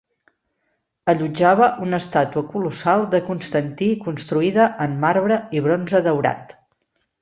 Allotjava una estàtua colossal de Constantí construïda en marbre i bronze daurat.